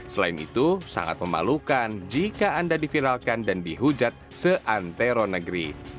selain itu sangat memalukan jika anda diviralkan dan dihujat seantero negeri